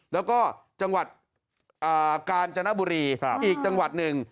แล้วก็จังหวัดกาญจนบุรีอีกจังหวัดหนึ่ง